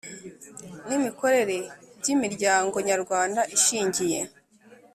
n imikorere by Imiryango nyarwanda ishingiye